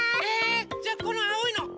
じゃあこのあおいの。